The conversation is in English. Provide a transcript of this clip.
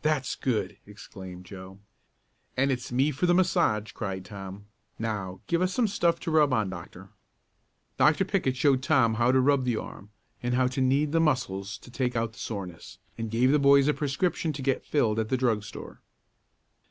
"That's good!" exclaimed Joe. "And it's me for the massage!" cried Tom. "Now give us some stuff to rub on, doctor." Dr. Pickett showed Tom how to rub the arm, and how to knead the muscles to take out the soreness, and gave the boys a prescription to get filled at the drug store.